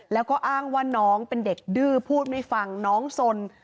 แล้วก็อ้างว่าน้องเป็นเด็กดื้อพูดไม่ฟังน้องสน